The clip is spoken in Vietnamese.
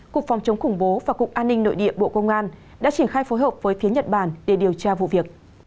cục phòng chống khủng bố và cục an ninh nội địa bộ công an đã triển khai phối hợp với phía nhật bản để điều tra vụ việc